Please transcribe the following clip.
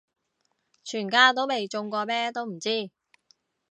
全家都未中過咩都唔知